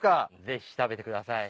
ぜひ食べてください。